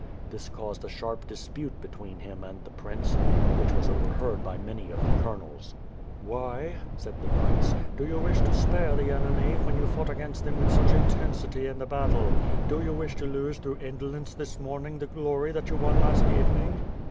This caused a sharp dispute between him and the prince, which was overheard by many of the colonels. "Why," said the prince, "do you wish to spare the enemy, when yx)u fought against them with such intensity in the battle? Do you wish to lose through indolence this morning the glory that you won last evening."